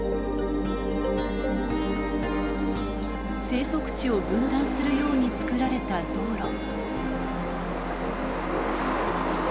生息地を分断するように造られた道路。